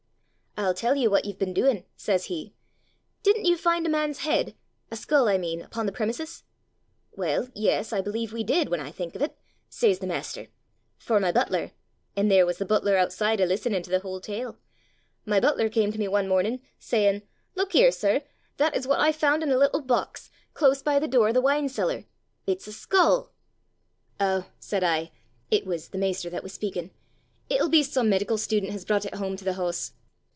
"'I'll tell you what you've been doin',' says he. 'Didn't you find a man's head a skull, I mean, upon the premises?' 'Well, yes, I believe we did, when I think of it!' says the master; 'for my butler' an' there was the butler outside a listenin' to the whole tale! 'my butler came to me one mornin', sayin', "Look here, sir! that is what I found in a little box, close by the door of the wine cellar! It's a skull!" "Oh," said I, ' it was the master that was speakin' ' "it'll be some medical student has brought it home to the house!"